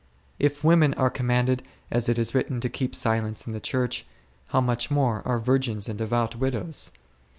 If women are commanded, as it is w T ritten, to keep silence in the Church, how much more are virgins and devout widows!